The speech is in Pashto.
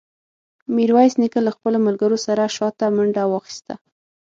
ميرويس نيکه له خپلو ملګرو سره شاته منډه واخيسته.